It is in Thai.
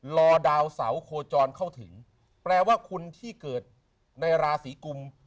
รอดาวเสาโคจรเข้าถึงแปลว่าคุณที่เกิดในราศีกุม